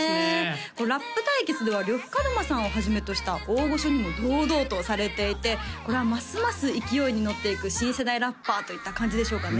ラップ対決では呂布カルマさんをはじめとした大御所にも堂々とされていてこれはますます勢いにのっていく新世代ラッパーといった感じでしょうかね